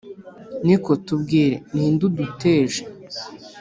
Niko tubwire ni nde uduteje